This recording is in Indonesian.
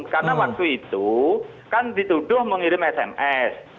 karena waktu itu kan dituduh mengirim sms